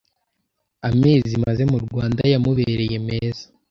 amezi maze mu Rwanda yamubereye meza.